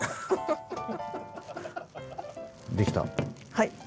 はい。